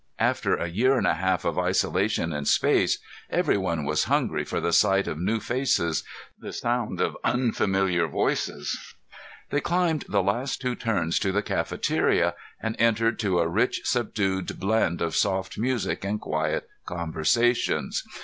After a year and a half of isolation in space, everyone was hungry for the sight of new faces, the sound of unfamiliar voices. They climbed the last two turns to the cafeteria, and entered to a rich subdued blend of soft music and quiet conversations.